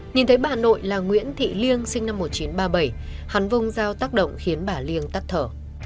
nhìn thấy bà nội là nguyễn thị liêng sinh năm một nghìn chín trăm ba mươi bảy hắn vông giao tác động khiến bà liêng tắt thở